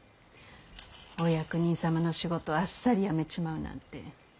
お役人様の仕事をあっさり辞めちまうなんて。